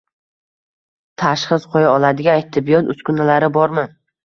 Tashxis qo‘ya oladigan tibbiyot uskunalari bormi?